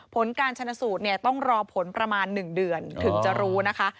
ผลการชนสูตรเนี่ยต้องรอผลประมาณ๑เดือนถึงจะรู้นะคะ